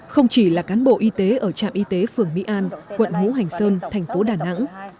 không chỉ là cán bộ y tế ở trạm y tế phường mỹ an quận hữu hành sơn thành phố đà nẵng